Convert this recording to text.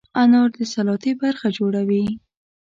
انار د سلاتې برخه جوړوي.